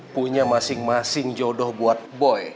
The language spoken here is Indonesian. punya masing masing jodoh buat boy